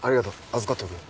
預かっておくよ。